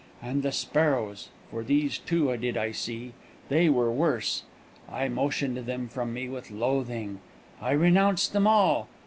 And the sparrows (for these, too, did I see), they were worse. I motioned them from me with loathing. I renounced them all.